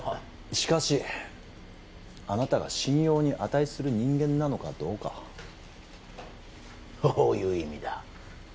しかしあなたが信用に値する人間なのかどうかどういう意味だ？